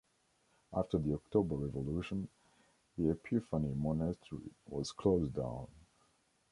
After the October Revolution, the Epiphany monastery was closed down.